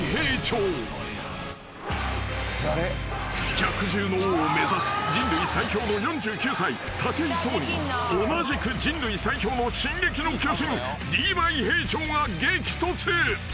［百獣の王を目指す人類最強の４９歳武井壮に同じく人類最強の『進撃の巨人』リヴァイ兵長が激突］